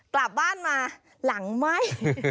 กลับบ้านมาหลังไหม้